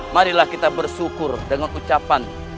marilah kita bersyukur dengan ucapan